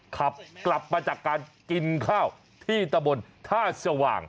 ขับกลับมาจากการกินข้าวที่ตะบนท่าสว่าง